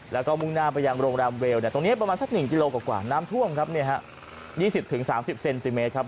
แล้วก็มุ่งหน้าไปยังโรงแรมเวลตรงนี้ประมาณสัก๑กิโลกว่าน้ำท่วมครับ๒๐๓๐เซนติเมตรครับ